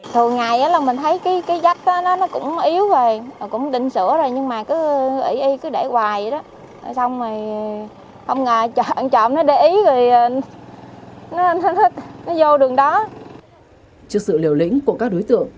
trước sự liều lĩnh của các đối tượng